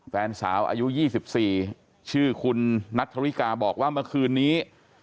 แฟนสาวอายุ๒๔ชื่อคุณนัทธริกาบอกว่าเมื่อคืนนี้